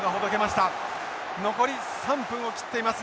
残り３分を切っています。